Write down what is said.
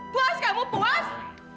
puas kamu puas